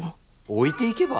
置いていけば？